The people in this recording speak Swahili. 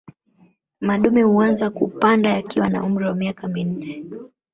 Madume huanza kupanda yakiwa na umri wa miaka minne